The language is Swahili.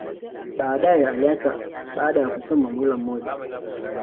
Baadae aliacha baada ya kusoma muhula mmoja